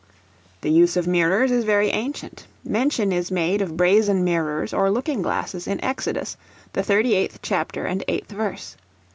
The use of mirrors is very ancient; mention is made of brazen mirrors or looking glasses in Exodus, the 38th chapter and 8th verse.